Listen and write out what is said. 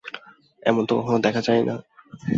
এমন তো কখনো দেখা যায় না।